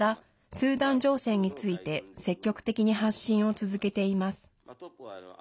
スーダン情勢について積極的に発信を続けています。